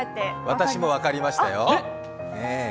私も分かりましたよ。